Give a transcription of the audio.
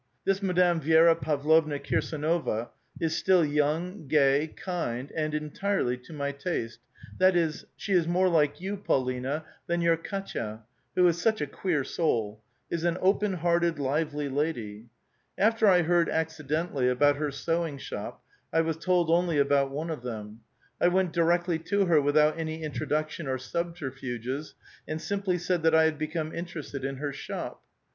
This Madame ^Vi^ra Pavlovna Kirsdnova is still j'onng, gay, kind, and — entirel}* to ray taste; that is, she is more like vou, Paulina, than vour Katva, who is such a queer soul — is an open hearted, lively lady. After I heard accidentally about her sewing shop, I was told only about one of them. I went directl}' to her without any in troduction or subterfuges, and simply said that I had become interested in her shop.